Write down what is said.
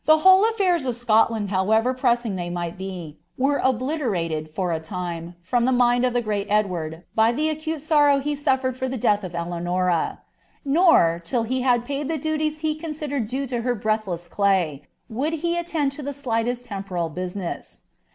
irhole affiiirs of Scotland, however pressing they might be, were ted, for a time, from the mind of the great Edward by the acute he sufiered for the death of Eleanora ;' nor, till he had paid the e considered due to her breathless clay, would he attend to the t temporal business.